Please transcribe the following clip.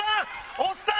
おっさん！